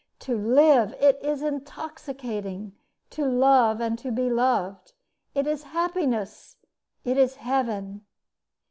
To live! It is intoxicating! To love, and to be loved! It is happiness! It is heaven!